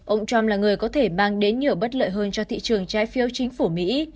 ông trump là người có thể mang đến nhiều bất lợi hơn cho thị trường trái phiếu chính phủ mỹ